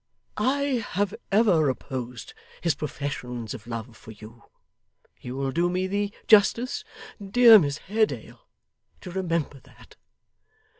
'I have ever opposed his professions of love for you; you will do me the justice, dear Miss Haredale, to remember that.